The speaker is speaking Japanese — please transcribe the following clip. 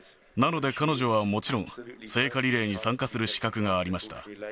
なので、彼女はもちろん、聖火リレーに参加する資格がありました。